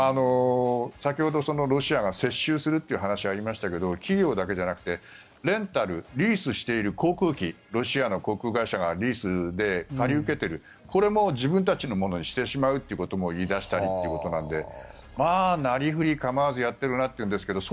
先ほどロシアが接収するという話がありましたが企業だけじゃなくてレンタル、リースしている航空機ロシアの航空会社がリースで借り受けているこれも自分たちのものにしてしまうということも言い出したりということなのでなりふり構わずやっているなということなんですが。